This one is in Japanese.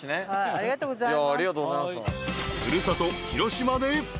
ありがとうございます。